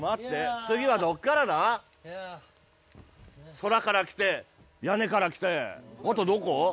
空から来て、屋根から来てあとどこ？